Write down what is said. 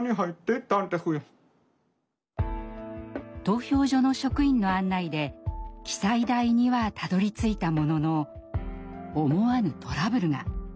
投票所の職員の案内で記載台にはたどりついたものの思わぬトラブルが。